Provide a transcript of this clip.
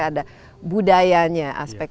ada budayanya aspek